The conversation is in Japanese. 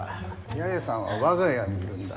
八重さんは我が家にいるんだ。